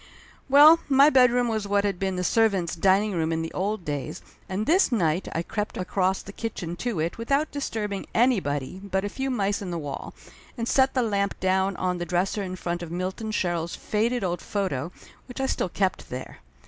Well, my bedroom was what had been the servants' dining room in the old days, and this night I crept across the kitchen to it without disturbing anybody but a few mice in the wall, and set the lamp down on the dresser in front of Milton Sherrill's faded old photo, which I still kept there.